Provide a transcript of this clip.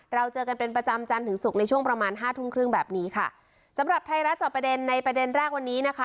เราเจอกันเป็นประจำจันทร์ถึงศุกร์ในช่วงประมาณห้าทุ่มครึ่งแบบนี้ค่ะสำหรับไทยรัฐจอบประเด็นในประเด็นแรกวันนี้นะคะ